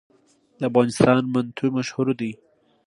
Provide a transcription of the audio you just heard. د افغانستان منتو مشهور دي